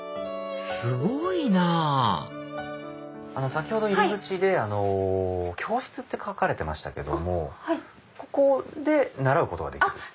すごいなぁ先ほど入り口で教室って書かれてましたけどもここで習うことができる？